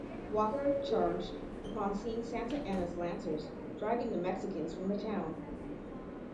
Walker charged, upon seeing Santa Anna's lancers, driving the Mexicans from the town.